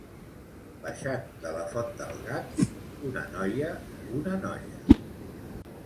Baixant de la font del gat, una noia, una noia.